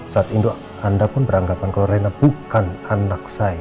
saat itu anda pun beranggapan kalau reina bukan anak saya